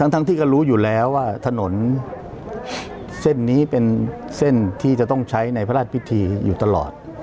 ทั้งที่ก็รู้อยู่แล้วว่าถนนเส้นนี้เป็นเส้นที่จะต้องใช้ในพระราชพิธีอยู่ตลอด